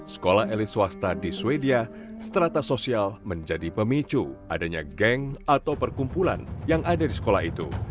sekolah elit swasta di sweden strata sosial menjadi pemicu adanya geng atau perkumpulan yang ada di sekolah itu